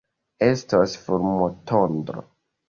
Estos fulmotondro.